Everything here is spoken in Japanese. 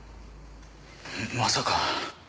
まさか。